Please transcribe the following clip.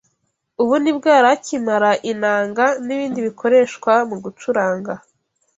Ubu ni bwo yari akimara inanga n’ibindi bikoreshwa mu gucuranga